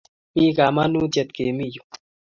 Mi kamanutiet kemi yu